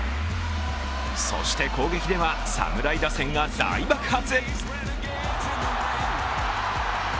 そして攻撃では、侍打線が大爆発。